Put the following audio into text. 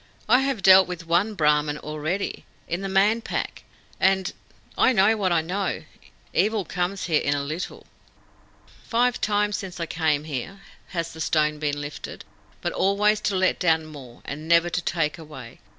"I have dealt with one Brahmin already, in the Man Pack, and I know what I know. Evil comes here in a little." "Five times since I came here has the stone been lifted, but always to let down more, and never to take away.